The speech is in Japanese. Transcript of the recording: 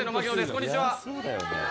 「こんにちは！」